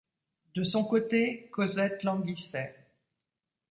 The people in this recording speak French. De son côté, Cosette languissait.